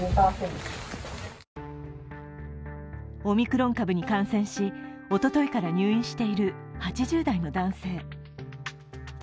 オミクロン株に感染し、おとといから入院している８０代の男性。